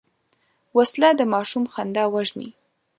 وسله د ماشوم خندا وژني